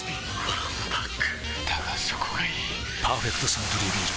わんぱくだがそこがいい「パーフェクトサントリービール糖質ゼロ」